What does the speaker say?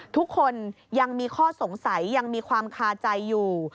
ทุกคนยังมีข้อสงสัยยังมีความคาใจอยู่